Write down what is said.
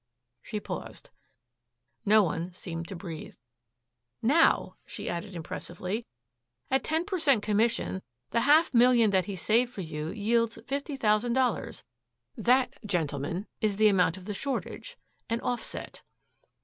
She paused. No one seemed to breathe. "Now," she added impressively, "at ten per cent. commission the half million that he saved for you yields fifty thousand dollars. That, gentlemen, is the amount of the shortage an offset."